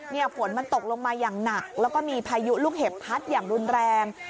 ฝนมันตกลงมาอย่างหนักแล้วก็มีพายุลูกเห็บพัดอย่างรุนแรง